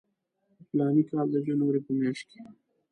د فلاني کال د جنوري په میاشت کې.